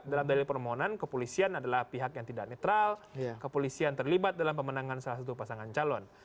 dalam dalil permohonan kepolisian adalah pihak yang tidak netral kepolisian terlibat dalam pemenangan salah satu pasangan calon